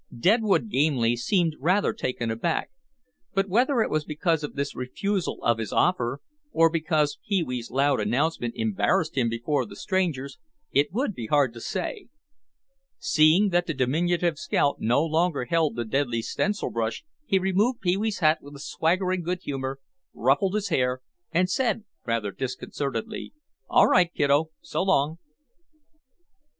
Deadwood Gamely seemed rather taken aback, but whether it was because of this refusal of his offer, or because Pee wee's loud announcement embarrassed him before the strangers it would be hard to say. Seeing that the diminutive scout no longer held the deadly stencil brush he removed Pee wee's hat with a swaggering good humor, ruffled his hair, and said (rather disconcertedly), "All right, kiddo; so long."